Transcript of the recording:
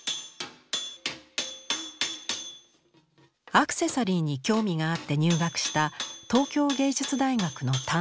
アクセサリーに興味があって入学した東京藝術大学の鍛金科。